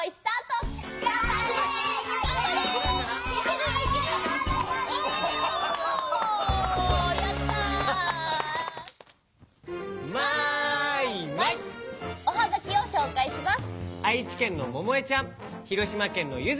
おはがきをしょうかいします。